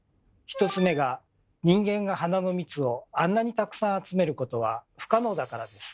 １つ目が人間が花の蜜をあんなにたくさん集めることは不可能だからです。